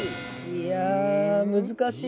いやあ難しい！